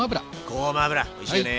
ごま油おいしいよね。